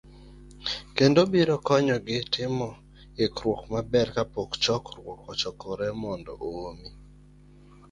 kendo, biro konyogi timo ikruok maber kapok chokruok ochakore, mondo omi